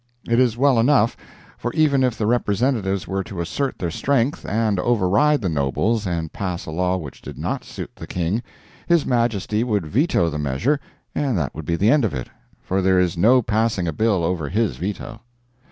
It is well enough, for even if the Representatives were to assert their strength and override the Nobles and pass a law which did not suit the King, his Majesty would veto the measure and that would be the end of it, for there is no passing a bill over his veto.